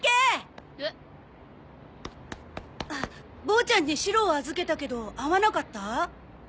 ボーちゃんにシロを預けたけど会わなかった？